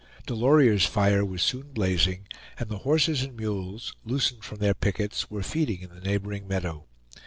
Delorier's fire was soon blazing, and the horses and mules, loosened from their pickets, were feeding in the neighboring meadow.